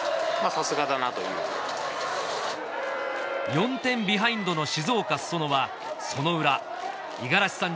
４点ビハインドの静岡裾野はその裏五十嵐さん